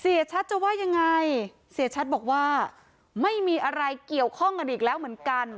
เสียชัดจะว่ายังไงเสียชัดบอกว่าไม่มีอะไรเกี่ยวข้องกันอีกแล้วเหมือนกัน